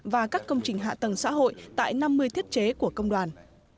và các công trình hạ tầng xã hội tại năm mươi thiết chế của công đoàn